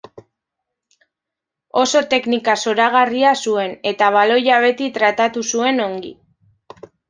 Oso teknika zoragarria zuen eta baloia beti tratatu zuen ongi.